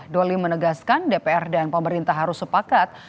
doli menegaskan dpr dan pemerintah harus sepakat